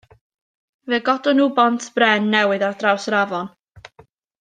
Fe godon nhw bont bren newydd ar draws yr afon.